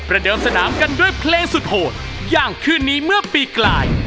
เดิมสนามกันด้วยเพลงสุดโหดอย่างคืนนี้เมื่อปีกลาย